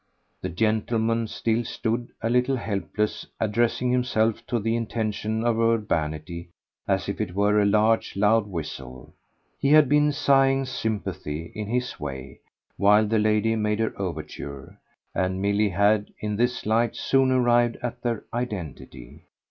The gentleman still stood, a little helpless, addressing himself to the intention of urbanity as if it were a large loud whistle; he had been sighing sympathy, in his way, while the lady made her overture; and Milly had in this light soon arrived at their identity.